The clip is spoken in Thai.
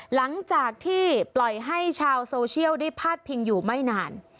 หลังจากที่ปล่อยให้ชาวโซเชียลได้พาดพิงอยู่ไม่นาน